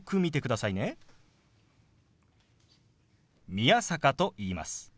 宮坂と言います。